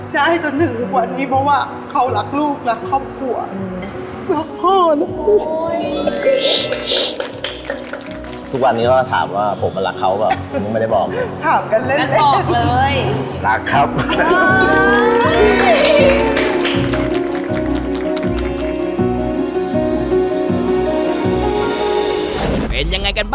ได้จนถึงทุกวันนี้เพราะว่าเขารักลูก